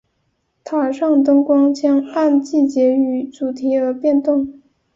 塔上灯光将按季节与主题而变动。